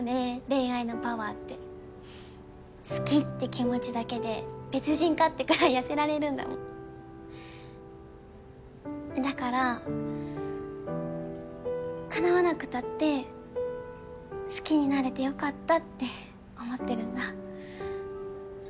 恋愛のパワーって好きって気持ちだけで別人かってくらい痩せられるんだもんだからかなわなくたって好きになれてよかったって思ってるんだ